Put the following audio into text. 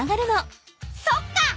そっか！